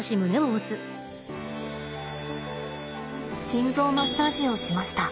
心臓マッサージをしました。